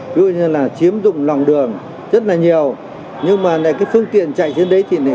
đương nhiên là chiếm dụng lòng đường rất là nhiều nhưng mà cái phương tiện chạy trên đấy thì quá ít